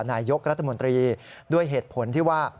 นายกรัฐมนตรีด้วยเหตุผลที่ว่า